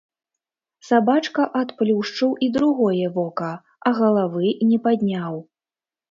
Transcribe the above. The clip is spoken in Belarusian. Сабачка адплюшчыў і другое вока, а галавы не падняў.